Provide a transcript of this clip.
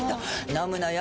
飲むのよ